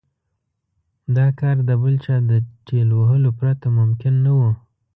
دا کار د بل چا د ټېل وهلو پرته ممکن نه و.